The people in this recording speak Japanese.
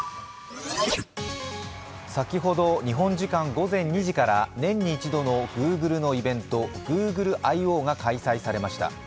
先ほど日本時間午前２時から年に一度のＧｏｏｇｌｅのイベントＧｏｏｇｌｅＩ／Ｏが開催されました。